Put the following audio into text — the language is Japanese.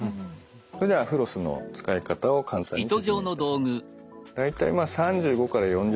それではフロスの使い方を簡単に説明いたします。